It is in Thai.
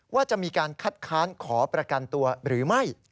ว่าจะมีการคัดค้านขอประกันตัวหรือไม่